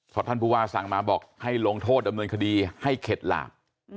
เพราะท่านผู้ว่าสั่งมาบอกให้ลงโทษดำเนินคดีให้เข็ดหลาบ